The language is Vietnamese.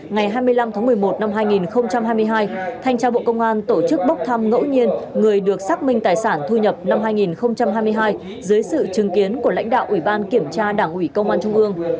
ngày hai mươi năm tháng một mươi một năm hai nghìn hai mươi hai thanh tra bộ công an tổ chức bốc thăm ngẫu nhiên người được xác minh tài sản thu nhập năm hai nghìn hai mươi hai dưới sự chứng kiến của lãnh đạo ủy ban kiểm tra đảng ủy công an trung ương